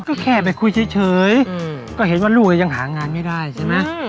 ก็แค่ไปคุยเฉยก็เห็นว่าลูกยังหางานไม่ได้ใช่ไหม